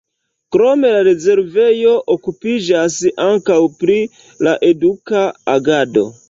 Krome la rezervejo okupiĝas ankaŭ pri la eduka agado.